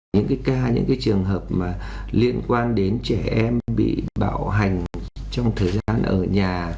những cái ca những cái trường hợp mà liên quan đến trẻ em bị bạo hành trong thời gian ở nhà